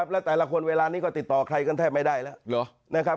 แล้วแต่ละคนเวลานี้ก็ติดต่อใครกันแทบไม่ได้แล้วนะครับ